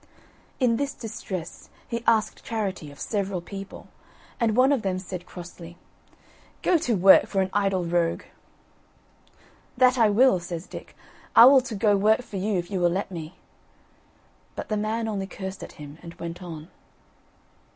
In this distress he asked charity of several people, and one of them said crossly: "Go to work, for an idle rogue." "That I will," says Dick, "I will to go work for you, if you will let me." But the man only cursed at him and went on.